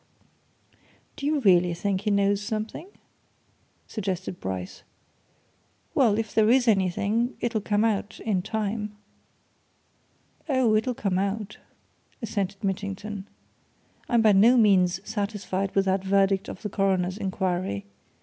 "You really think he knows something?" suggested Bryce. "Well if there is anything, it'll come out in time." "Oh, it'll come out!" assented Mitchington. "I'm by no means satisfied with that verdict of the coroner's inquiry.